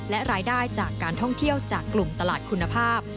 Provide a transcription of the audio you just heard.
และรายได้จากการท่องเที่ยวจากกลุ่มตลาดคุณภาพ